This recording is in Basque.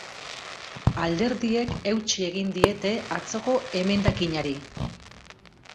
Alderdiek eutsi egin diete atzoko emendakinari.